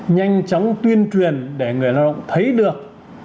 nhanh chóng tuyên truyền để người lao động thấy được